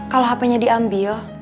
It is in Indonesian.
kalau hp nya diambil